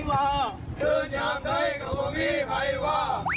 เลื่อนอย่างใดกับวงมี่ไพ่วะ